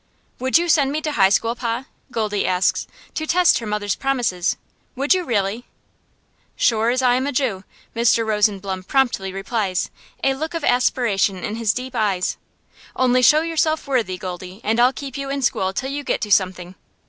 "Would you send me to high school, pa?" Goldie asks, to test her mother's promises. "Would you really?" "Sure as I am a Jew," Mr. Rosenblum promptly replies, a look of aspiration in his deep eyes. "Only show yourself worthy, Goldie, and I'll keep you in school till you get to something.